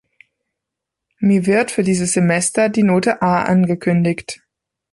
Mir wird für dieses Semester die Note A angekündigt.